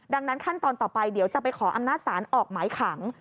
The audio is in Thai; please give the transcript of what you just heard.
ดังนั้นขั้นตอนต่อไปเดี๋ยวจะไปขออำนาจศาลออกหมายขัง